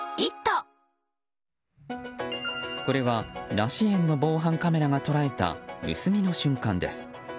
これは梨園の防犯カメラが捉えた盗みの瞬間です。